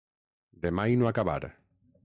De mai no acabar.